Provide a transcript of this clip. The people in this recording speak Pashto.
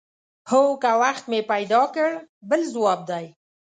هو که وخت مې پیدا کړ بل ځواب دی.